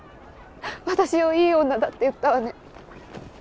私をいい女だって言ったわね。